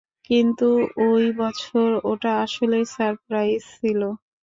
কিন্তু ওই বছর, ওটা আসলেই সারপ্রাইজ ছিল।